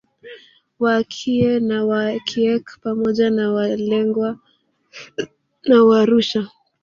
Waakie na Waakiek pamoja na Waalegwa na Waarusha